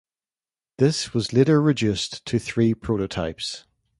This was later reduced to three prototypes.